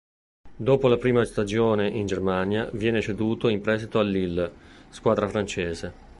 Dopo la prima stagione in Germania viene ceduto in prestito al Lille, squadra francese.